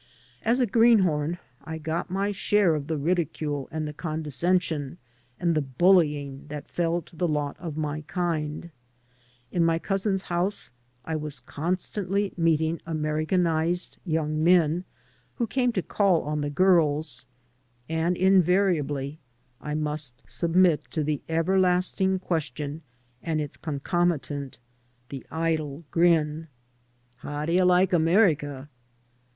As a greenhorn I got my share of the ridicule and the condescension and the bullying that fell to the lot of my kind. In my cousin's house I was constantly meeting Americanized young men who came to call on the girls, and invariably I must submit to the ever lasting question and its concomitant, the idle grin: "How do you like America?